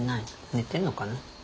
寝てんのかな。